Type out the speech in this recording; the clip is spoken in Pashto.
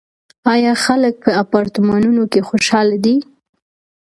آیا خلک په اپارتمانونو کې خوشحاله دي؟